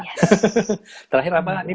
hahaha terakhir apa lah ini